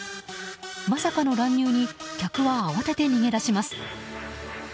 まさかの乱入に客は慌てて逃げ出します。